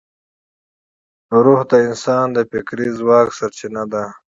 روح د انسان د فکري ځواک سرچینه ده.